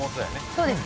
そうです。